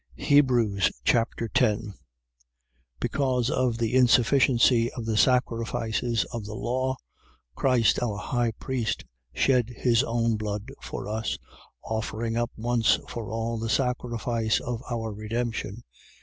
Hebrews Chapter 10 Because of the insufficiency of the sacrifices of the law, Christ our high priest shed his own blood for us, offering up once for all the sacrifice of our redemption.